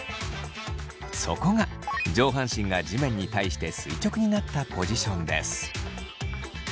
そこが上半身が地面に対して垂直になったポジションです。